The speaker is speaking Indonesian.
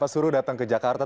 suruh datang ke jakarta